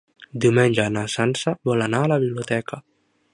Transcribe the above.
Diumenge na Sança vol anar a la biblioteca.